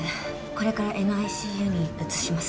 これからＮＩＣＵに移します。